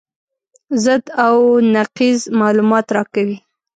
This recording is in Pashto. ضد او نقیض معلومات راکوي.